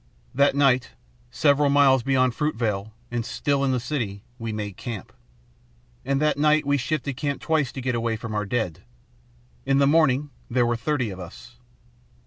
That night, several miles beyond Fruitvale and still in the city, we made camp. And that night we shifted camp twice to get away from our dead. In the morning there were thirty of us.